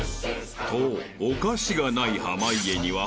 ［とお菓子がない濱家には］